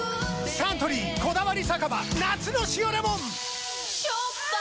サントリー「こだわり酒場夏の塩レモン」！